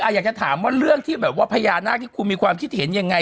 อยากจะถามว่าเรื่องที่แบบว่าพญานาคที่คุณมีความคิดเห็นยังไง